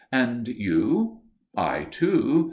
"And you?" "I, too.